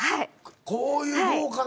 こういう豪華な。